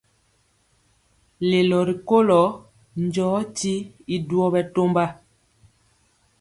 Lelo rikolo njɔɔtyi y duo bɛtɔmba.